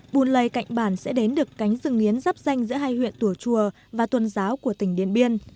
bùn lầy cạnh bản sẽ đến được cánh rừng nghiến giáp danh giữa hai huyện tùa chùa và tuần giáo của tỉnh điện biên